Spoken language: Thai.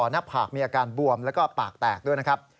หน้าผากมีอาการบวมแล้วก็ปากแตกด้วยนะครับ